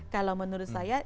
kalau menurut saya